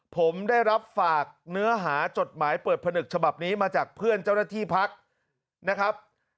ผมได้รับฝากเนื้อหาจดหมายเปิดผนึกฉบับนี้มาจากเพื่อนเจ้าหน้าที่พักนะครับ